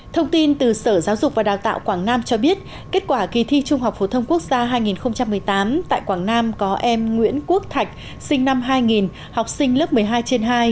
thông tin từ sở giáo dục và đào tạo quảng nam cho biết kết quả kỳ thi trung học phổ thông quốc gia hai nghìn một mươi tám tại quảng nam có em nguyễn quốc thạch sinh năm hai nghìn học sinh lớp một mươi hai trên hai